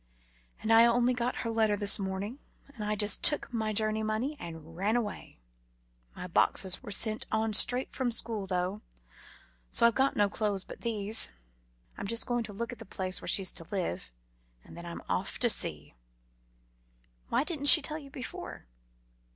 And I only got her letter this morning, and I just took my journey money and ran away. My boxes were sent on straight from school, though so I've got no clothes but these. I'm just going to look at the place where she's to live, and then I'm off to sea." "Why didn't she tell you before?"